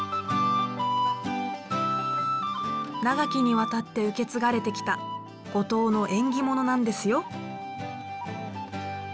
長きにわたって受け継がれてきた五島の縁起物なんですよ。